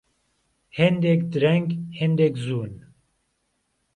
هێندێک درهنگ هێندێک زوون